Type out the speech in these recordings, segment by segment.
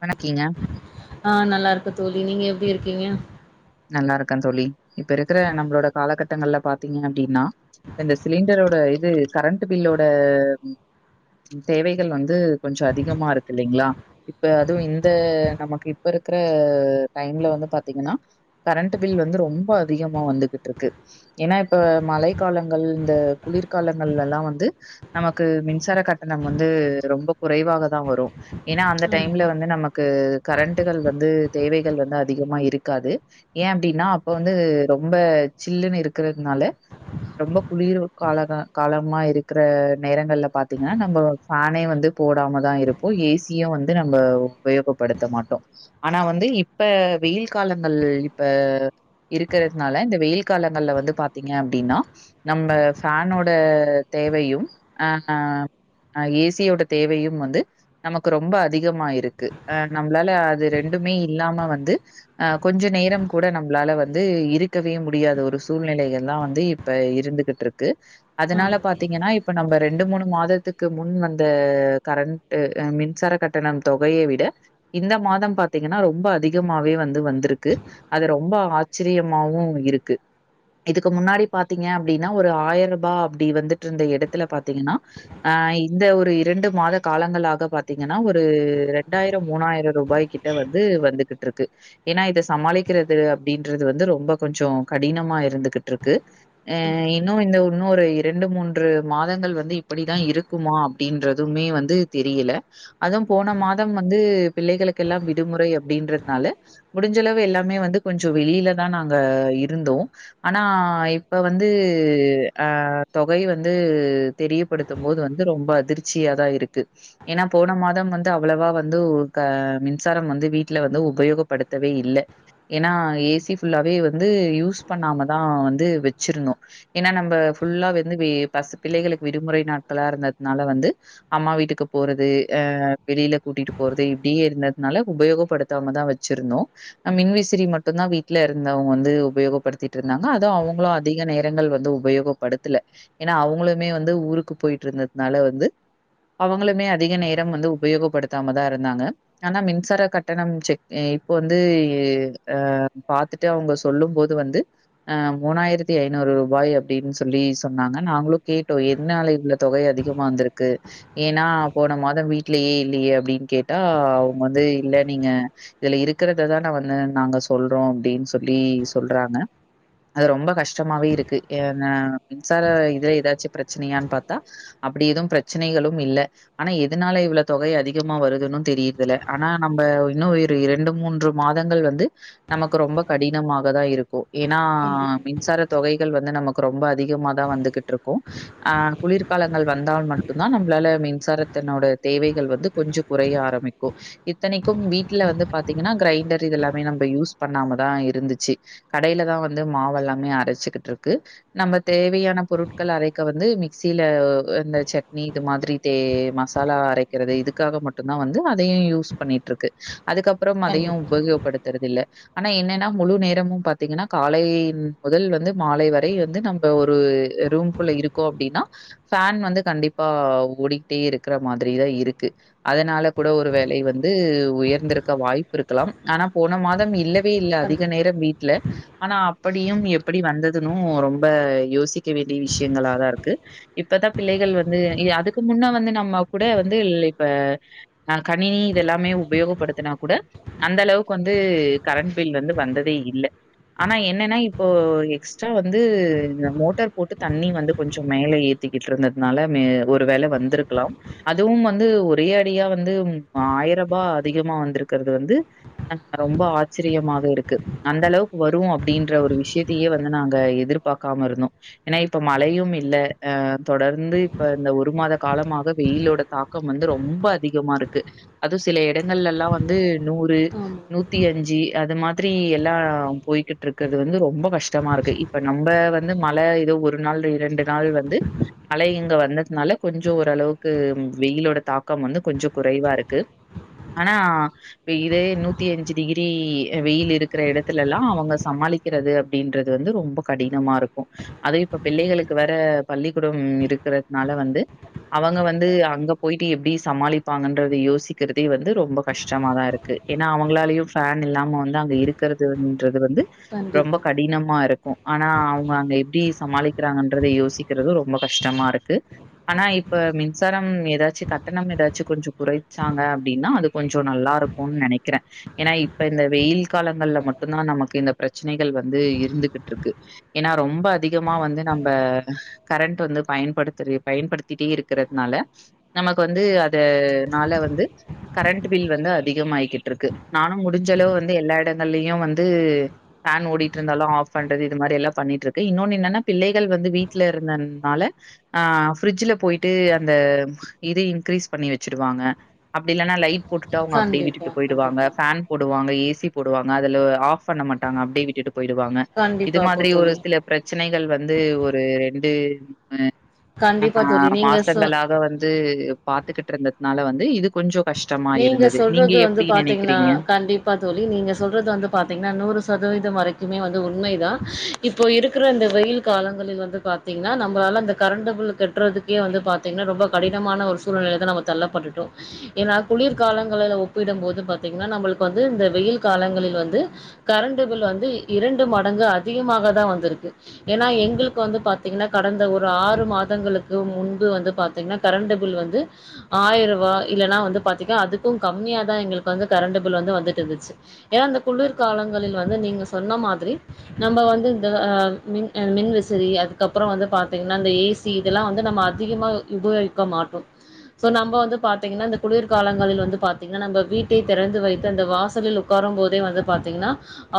வணக்கீங்க ஆஹ் நல்லா இருக்க தோழி. நீங்க எப்டி இருக்கீங்க. நல்லா இருக்கந் தோழி. இப்பருக்குற நம்ளோட காலகட்டங்கள்ல பாத்தீங்க அப்டின்னா இப்பிந்த சிலிண்டரோட இது கரண்ட் பில்லோடா தேவைகள் வந்து கொஞ்சோ அதிகமாருக்கு இல்லைங்ளா. இப்ப அதுவு இந்த நமக்கு இப்பருக்குற டைம்ல வந்து பாத்தீங்கன்னா கரண்ட் பில் வந்து ரொம்ப அதிகமா வந்துகுட்ருக்கு. ஏனா இப்ப மழை காலங்கள் ந்த குளிர்காலங்கள் எல்லா வந்து நமக்கு மின்சார கட்டணம் வந்து ரொம்ப குறைவாக தா வரு. ஏனா அந்த டைம்ல ஆமா வந்து நமக்கு கரண்ட்டுகள் வந்து தேவைகள் வந்து அதிகமா இருக்காது. ஏ அப்டின்னா அப்போ வந்து ரொம்ப சில்லுன்னு இருக்குறதனால ரொம்ப குளீர் காலக காலம்மா இருக்குற நேரங்கள்ல பாத்தீங்கனா நம்போ ஃபேனே வந்து போடாம தா இருப்போ ஏசியு வந்து நம்ப உபயோகப்படுத்த மாட்டோ. ஆனா வந்து இப்ப வெயில் காலம் கள் இப்ப இருக்குறதுனால இந்த வெயில் காலங்கள்ல வந்து பாத்தீங்க அப்டின்னா நம்ப ஃபேனோடா தேவையும் அஹ்ஹ் அஹ் ஏ சி யோட தேவையும் வந்து நமக்கு ரொம்ப அதிகமா இருக்கு. அஹ் நம்ளால அது ரெண்டுமே இல்லாம வந்து ஹ கொஞ்ச நேரம் கூட நம்ளால வந்து இருக்கவே முடியாத ஒரு சூழ்நிலைகள்லா வந்து இப்ப இருந்துகுட்ருக்கு. அதனால ஆமா பாத்தீங்கனா இப்ப நம்ப ரெண்டு மூணு மாதத்துக்கு முன் வந்த கரண்ட் அ மின்சார கட்டணம் தொகையை விட இந்த மாதம் பாத்தீங்கனா ரொம்ப அதிகமாவே வந் து வந்துருக்கு. அது ரொம்ப ஆச்சிரியமாவு இருக்கு. இதுக்கு முன்னாடி பாத்தீங்க அப்டின்னா ஒரு ஆயர் ரூபா அப்டி வந்துட்ருந்த எடத்துல பாத்தீங்கன்னா ஆஹ் இந்த ஒரு இரண்டு மாத காலங்களாக பாத்தீங்கன்னா ஒரு ரெண்டாயிரம் மூணாயிர ரூபாய்கிட்ட வந்து வந்துகுட்ருக்கு. ஏன்னா இத சமாளிக்கிறது அப்டின்றது வந்து ரொம்ப கொஞ்சோ கடினமா இருந்துகுட்ருக்கு. ஆஹ் இன்னு இந்த உன்னுரு இரண்டு மூன்று மாதங்கள் வந்து இப்படிதா இருக்குமா அப்டின்றதும்மே வந்து தெரியல. அதும் போன மாதம் வந்து பிள்ளைகளுக்கெல்லா விடுமுறை அப்படின்றதனால முடிஞ்சளவு எல்லாமே வந்து கொஞ்சோ வெளியில தா நாங்கா இருந்தோ. ஆனா இப்ப வந்து ஆஹ் தொகை வந்து தெரியப்படுத்தும் போது வந்து ரொம்ப அதிர்ச்சியா தா இருக்கு. ஏனா போன மாதம் வந்து அவ்வளவா வந்து உ கா மின்சாரம் வந்து வீட்டுல வந்து உபயோகப்படுத் த்தவே இல்ல. ஏனா ஏ சி ஃபுல்லாவே வந்து யூஸ் பண்ணாம தா வந்து வச்சுருந்தோ. ஏனா நம்ப ஃபுல்லா வெந்து வே பஸ் பிள்ளைகளுக்கு விடுமுறை நாட்களா இருந்ததனால வந்து அம்மா வீட்டுக்கு போறது ஆஹ் வெளியில கூட்டிட்டு போறது இப்படியே இருந்ததனால உபயோகப்படுத்தாம தா வச்சிருந்தோ. மின்விசிறி மட்டுந்தா வீட்ல இருந்தவங்க வந்து உபயோகப்படுத்திட்ருந்தாங்க அது அவங்களும் அதிக நேரங்கள் வந்து உபயோகப்படுத்தல. ஏனா அவங்களுமே வந்து ஊருக்கு போயிட்ருந்ததுனால வந்து அவங்களுக் ன்னே அதிக நேரம் வந்து உபயோகப்படுத் தாமதா இருந்தாங்க. ஆனா மின்சார கட்டணம் செக் இப் ப்ப வந்து எ அ பாத்துட்டு அவுங்க சொல்லும் போது வந்து அ மூணாயிரத்தி ஐநூறு ரூபாய் அப்டின் சொல்லி சொன்னாங்க நாங்குளு கேட்டோ எதுனால இவ்ள தொகை அதிகமா வந்துருக்கு ஏன்னா போன மாத வீட்லயே இல்லியே அப்டின்னு கேட்டா அவுங்க வந்து இல்ல நீங்க இதுல இருக் க்கறத தான வந்னு நாங்க சொல்றோ அப்டீன் சொல்லீ சொல்றாங்க. அது ரொம்ப கஷ் டமாவே இருக்கு ஏ னா மின்சாரா இதெ ஏதாச்சு பிரச்சனயான் பாத் த அப்டி எதும் ப்ரச்னைகளும் இல்ல. ஆனா எதுனால இவ்ள தொகை அதிகமா வருதுனு தெரியிரதில. ஆனா நம்பா இன்னு ஒரு இர ண்டு மூன்று மாதங்கள் வந்து நமக்கு ரொம்ப கடினமாக தா இருக்கு. ஏனா கண்டிப்பா மின்சார தொகைகள் வந்து நமக் க்ரொம்ப அதிகமா தா வந்துகுட்ருக்கு. ஆஹ் குளிர்காலங்கள் வந்தால் மட்டுந்தா நம்ப்ளால மின்சாரத்தனோட தேவைகள் வந்து கொஞ்சொ குறைய ஆரம்பிக்கு. இத்தனிக்கும் வீட்டுல வந்து பாத்தீங்கன்னா க்ரைண்டரு இதெல்லாமே நம்ப யூஸ் பண்ணாம தா இருந்துச்சு. கடையில தா வந்து மாவல்லாமே அரச்சுக்குட்ருக்கு. நம்ப தேவையான பொருட்கள் அரைக்க வந்து மிக்சியிலா இந்த சட்னி இது மாதிரி தே மசாலா அரைக்கிறது இதுக்காக மட்டுந் தா வந்து அதையு யூஸ் பண்ணிட்ருக்கு. அதுக்கப் ப்புறம் அதையும் கண்டிப்பா உபகோப்படுத்துறதில்ல ஆனா என்னனா முழு நேரமு பாத்தீங்கனா காலை முதல் வந்து மாலை வரை வந்து நம்ப ஒரு ரூம்குள்ள இருக்கோ அப்டின்னா ஃபேன் வந்து கண்டிப்பா ஓடிக்டே இருக்ற மாதிரிதா இருக்கு. அதனால கூட ஒரு வேலை வந்த உயர்ந்திருக் க வாய்ப்பிருக்கலாம். ஆனா போன மாதம் இல்ல வெ இல்ல கண்டிப்பா அதிக கண்டிப்பா நேரம் வீட்ல ஆனா அப்படியும் எப்படி வந்ததுன்னு ரொம்ப யோசிக்க வேண்டிய விஷ்யங்களாதா இருக்கு. இப்பதா பிள்ளைகள் வந்து இய அதுக்கு முன்ன வந்து நம்மக் குட வந்து ல் இப்ப ந கணினி இதெல்லாமே உபயோகப்படுத்தின கூட அந்தளவுக் வந்து கரண்ட் பில் வந்து வந்ததே இல்ல. ஆனா என்னனா இப்போ எக்ஸ்ட்ரா வந்து மோட்டர் போட்டு தண்ணி வந்து கொஞ்சொ மேல ஏத்திக்கிட்ருந்ததுனால மே ஒரு வேல வந்துருக்லாம். அதுவும் வந்து ஒரே அடியா வந்து உம் ஆயிரபா அதிகமா வந்துருக் கறது வந்து ஹா ரொம்ப ஆச்சரியமாக இருக்கு. அந்தளவுக் வரூ அப்டின்ற ஒரு விஷயத்தியே வந்து நாங்க எதிர்பாக்காமருந்தோ. என இப்ப மழையு இல்ல ஆஹ் தொடர்ந்து இப்ப இந்த ஒரு மாத காலமாக வெயிலோட தாக்கம் வந்து ரொம்ப அதிகமாருக்கு. அது சில எடங்கள்லல்லா வந் ந்து நூறு ஆமா நூத்தி அஞ்சி அது மாதிரி எல்லாம் போய்கிட்ருக்றது வந்து ரொம்ப கஷ்டமாருக்கு இப்ப நம்ப வந்து மழ இது ஒரு நாள் இரண்டு நாள் வந்து மழை இங்க வந்ததுனால கொஞ்சொ ஒரளவுக்கு வெயில் ஓட தாக்கம் வந்து கொஞ்சொ குறைவாருக்கு. ஆனா இதே நூத்தி அஞ்சு டிகிரீ அ வெயில் இருக்குற இடத்துலல்லா அவங்க சமாளிக்கிறது அப்டின்றது வந்து ரொம்ப கடினமாருக்கு. அதெயுப்ப பிள்ளைகளுக்கு வேற பள்ளிக்கூடம் இருக்குறதுனால வந்து அவங்க வந்து அங்க போயிட்டி எப்டி சமாளிப்பாங்கன்றத யோசிக்கிறதே வந்து ரொம்ப கஷ் கஷ்டமா தா இருக்கு ஏன்னா அவங்களாலயும் ஃபேன் இல்லாம வந்து அங்க இருக்கறதுன்றது வந்து ரொம்ப கண்டிப்பா கடினமா இருக் க்கு ஆனா அவங்க அங்க எப்படி சமாளிக்கிறாங்கன்றத யோசிக்கறதும் ரொம்ப கஷ்டமா இருக்கு ஆனா இப்ப மின்சாரம் ஏதாச்சு கட்டணம் ஏதாச்சு கொஞ்ச குறைச்சாங்க அப்படின்னா அது கொஞ்ச நல்ல இருக்குன் நெனைக்கிற ஏன்னா இப்ப இந்த வெயில் காலங்கள்ல மட்டுந்தா நமக்கு இந்த பிரச்சனைகள் வந்து இருந்துகிட்டு இருக்கு ஏன்னா ரொம்ப அதிகமா வந்து நம்ம கரண்ட் வந்து பயன்படுத்து பயன்படுத்திட்டே இருக்கிறதுனால நமக்கு வந்து அத னால வந்து கரண்ட் பில் வந்து அதிகமாயிட்டு இருக்கு நானும் முடிஞ்சளவு வந்து எல்லா இடங்கள்லயும் வந்து ஃபேன் ஓடிட்டு இருந்தாலும் ஆஃப் பண்றது இது மாதிரி எல்லாம் பண்ணிட்டு இருக்கு இன்னொன்னு என்னன்னா பிள்ளைகள் வந்து வீட்டுல இருந்ததுனால ஆஹ பிரிட்ஜ்ல போயிட்டு அந்த இது இன்கிரீஸ் பண்ணி வச்சிருவாங்க அப்படி இல்லைனா லைட் போட்டுட்டு அவங்க அப்படியே கண்டிப்பா விட்டுட்டு போயிடுவங்க கண்டிப்பா ஃபேன் போடுவாங்க ஏ சி சி போடுவங்க அதுல ஆஃப் பண்ண மாட்டாங்க அப்படியே விட்டுட்டு போயிடுவாங்க இது கண்டிப்பா அப்போ மாதிரி ஒரு தோழி சில பிரச்சனை [unintelligible] வந்து ஒரு ரெண்டு மு கண்டிப்பா ஆ தோழி நீங்க சொ மாசங்களாக வந்து பாத்துகிட்டு இருந்ததுனால வந்து இது கொஞ்சு கஷ் நீங்க சொல்றது வந்து பாத்தீங்கன்னா கண்டிப்பா தோழி நீங்க சொல்றது வந்து பாத்தீங்கன்னா நூறு சத இது வரைக்குமே வந்து உண்மைதா இப்போ இருக்கிற இந்த வெயில் காலங்களில் வந்து பாத்தீங்கன்னா நம்மளால அந்த கரண்டு பில் கட்டுறதுக்கே வந்து பாத்தீங்னா ரொம்போ கடினமான ஒரு சூழ்நிலை தா நம்ம தள்ளப்பட்டுட்டோம் ஏனா குளிர்காலங்களில் ஒப்பிடும் போது பாத்தீங்கன்னா நம்மளுக்கு வந்து இந்த வெயில் காலங்களில் வந்து கரண்டு பில் வந்து இரண்டு மடங்கு அதிகமாக தா வந்திருக்கு ஏன்னா எங்களுக்கு வந்து பாத்தீங்கன்னா கடந்த ஒரு ஆறு மாதங்களுக்கு முன்பு வந்து பாத்தீங்கன்னா கரண்டு பில் வந்து ஆயிரம் ரூபா இல்லைன்னா வந்து ப [unintelligible] அதுக்கு கம்மியாதா எங்குளுக்கு வந்து கரண்ட் பில் வந்து வந்திட்டு இருந்துச்சு ஏனா குளிர்காலங்களில் வந்து நீங்க சொன்ன மாதிரி நம்ப வந்து இந்த மின் மின் விசிரி அதுக்கப்றோ வந்து பாத்திங்கென்னா அந்த ஏசி இதெல்லா வந்து நம்ம அதிகமா யுபகரிக்க மாட்டோ சோ நம்ம வந்து பாத்திங்கெனா இந்த குளிர் காலங்களில் வந்து பாத்தீங்கன்னா நம்ம வீட்டை திறந்து வைத்து அந்த வாசலில் உட்காரும் போதே வந்து பாத்தீங்கன்னா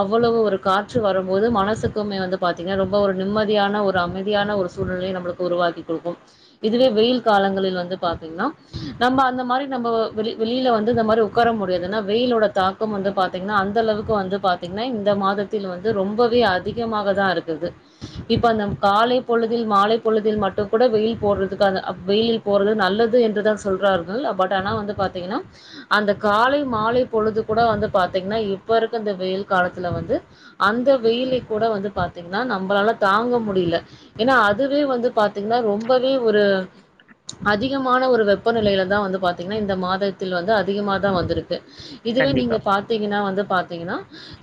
அவ்வளவு ஒரு காற்று வரும்போது மனசுக்குமே வந்து பாத்தீங்கன்னா ரொம்ப ஒரு நிம்மதியான ஒரு அமைதியான ஒரு சூழ்நிலையை நம்மளுக்கு உருவாக்கி கொடுக்கும் இதுவே வெயில் காலங்களில் வந்து பாத்தீங்கன்னா நம்ம அந்த மாதி [unintelligible] நம்போ வெளி வெளியில வந்து இந்த மாரி உட்கார முடியாதுன்னா வெயிலோட தாக்கம் வந்து பாத்திங்னா அந்தளவுக்கு வந்து பாத்தீங்கன்னா இந்த மாதத்தில் வந்து ரொம்பவே அதிகமாக தா இருக்குது இப்போ அந்த காலை பொழுதில் மாலை பொழுதில் மட்டு கூட வெயில் போடுறதுக்கு அந்த வெயிலில் போறது நல்லது என்றுதா சொல்றார்கள் பட் டனா வந்து பாத்திங்கெனா அந்த காலை மாலை பொழுது கூட வந்து பாத்தீங்கன்னா இப்ப இருக்க வெயில் காலத்துல வந்து அந்த வெயிலை கூட வந்து பாத்தீங்கன்னா நம்பளால தாங்க முடியல ஏன்னா அதுவே வந்து பாத்தீங்கன்னா ரொம்பவே ஒரு அதிகமான ஒரு வெப்பநிலையில தா வந்து [unintelligible] திங்கனா இந்த மாதத்தில் வந்து அதிக தா வந்திருக்கு இதுவே நீங்க கண்டிப்பா, பாத்தீங்கன்னா வந்து பாத்து பாத்திங்கெனா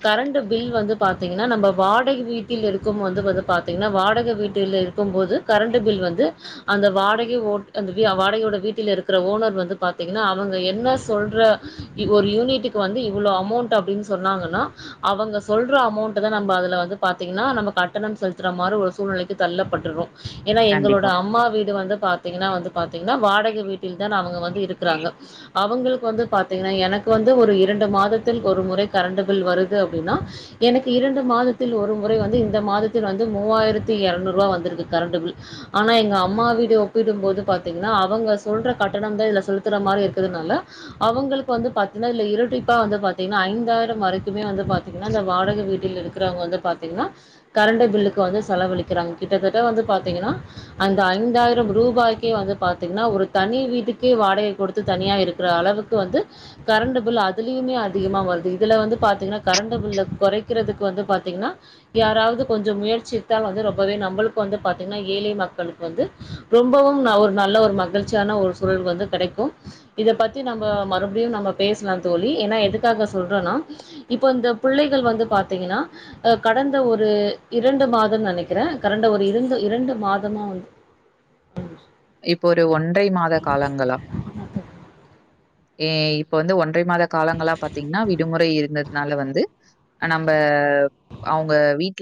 கரண்ட் பில் வந்து பாத்திங்கெனா நம்ம வாடகை வீட்டில் இருக்கும்போது வந்து பாத்திங்கனா வாடகை வீட்டில் இருக்கும்போது கரென்ட்பில் வந்து அந்த வாடகை ஓட் அந்த வி வாடகை ஓட வீட்டுல இருக்குற ஓனர் வந்து [unintelligible] பாத்தீங்கன்னா அவங்க என்ன சொல்ற ஒரு யூனிட்டுக்கு வந்து இவ்வளோ அமௌண்ட் அப்படின்னு சொன்னாங்கன்னா அவங்க சொல்ற அமௌண்ட் தா நம்ம அதில வந்து பாத்தீங்கன்னா நம்ம கட்டணம் செலுத்துற மாரி ஒரு சூழ்நிலைக்கு தள்ளப்பட்டுறோ ஏன்னா எங்களோட கண்டிப்பா. அம்மா வீடு வந்து பாத்தீங்கன்னா வந்து பாத்தீங்கன்னா வாடகை வீட்டில் தான் அவங்க வந்து றாங்க அவங்களுக்கு வந்து பாத்தீங்கன்னா எனக்கு வந்து ஒரு இரண்டு மாதத்தில் ஒரு முறை கரண்டு பில் வருது அப்பிடின்னா எனக்கு இரண்டு மாதத்தில் ஒரு முறை வந்து இந்த மாதத்தில் வந்து மூவாயிரத்தி எரநூறு ரூபா வந்திருக்கு கரண்டு பில் ஆனா எங்க அம்மா வீடு ஒப்பிடும் போது பாத்தீங்கன்னா அவங்க சொல்ற கட்டணம் தா இதுல சொல்லு த்ர மாரி இருக்கிறதுனால அவங்களுக்கு வந்து பாத்தீங்கன்னா இ இரட்டிப்பா வந்து பாத்தீங்கன்னா ஐந்தாயிரம் வரைக்குமே வந்து பாத்தீங்கன்னா அந்த வாடகை வீட்டில் இருக்கு க்ரவங்க பாத்திங்கன்னா கரண்ட் பில்லுக்கு வந்து செலவழிக்கிறாங்க கிட்டத்தட்ட வந்து பாத்திங்கனா அந்த ஐந்தாயிரம் ரூபாய்கே வந்து பாத்திங்கெனா ஒரு தனி வீட்டுக்கே வாடகை கொடுத்து தனியாக இருக்கிற அளவுக்கு வந்து கரண்டு பில் அதுலயுமே அதிகமாக வருது இதுல வந்து பாத்தீங்கன்னா கரண்டு பில்ல கொறைக்கிறதுக்கு வந்து பாத்தீங்கன்னா யாராவது கொஞ்சு முயற்சி எடுத்தால் வந்து ரொம்பவே நம்மளுக்கு வந்து பாத்தீங்கன்னா ஏழை மக்களுக்கு வந்து ரொம்பவும் ஒரு நல்ல ஒரு மகிழ்ச்சியான ஒரு சூழல் வந்து கெடைக்கும் இத பத்தி நம்ம மறுபடியு நம்ம பேசலாம் தோழி ஏன்னா எதுக்காக சொல்றோனா இப்ப இந்த பிள்ளைகள் வந்து பாத்தீங்கன்னா கடந்த ஒரு இரண்டு மாதம்னு நெனைக்கிறே கடண்ட ஒரு இண்டு இரண்டு மாதமா வந்து இப்போ ஒரு ஒன் [unintelligible] மாத காலங்களா ஏய் இப்ப வந்து ஒன் றை மாத காலங்களா பாத்தீங்கன்னா விடுமுறை இருக்கு இருதுனால வந்து நம்ம அவங்க வீட்டுல